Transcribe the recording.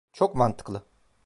Çok mantıklı.